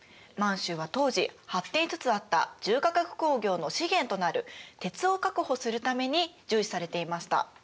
満州は当時発展しつつあった重化学工業の資源となる鉄を確保するために重視されていました。